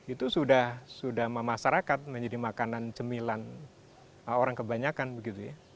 itu sudah memasarakat menjadi makanan cemilan orang kebanyakan begitu ya